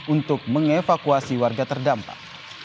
untuk mengevakuasi warga terdampak